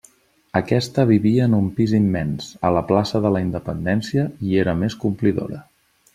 Aquesta vivia en un pis immens, a la plaça de la Independència i era més complidora.